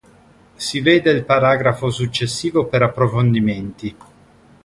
Si veda il paragrafo successivo per approfondimenti.